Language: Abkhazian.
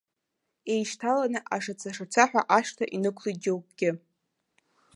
Еишьҭаланы, ашаца-шацаҳәа ашҭа инықәлеит џьоукгьы.